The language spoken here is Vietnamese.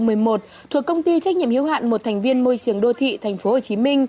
quận một mươi một thuộc công ty trách nhiệm hiếu hạn một thành viên môi trường đô thị tp hcm